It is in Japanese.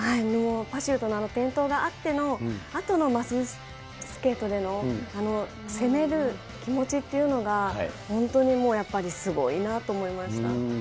もうパシュートのあの転倒があってのマススケートでの攻める気持ちっていうのが、本当にもうやっぱりすごいなと思いました。